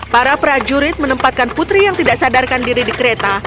para prajurit menempatkan putri yang tidak sadarkan diri di kereta